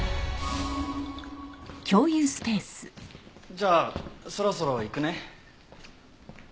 じゃあそろそろ行くね。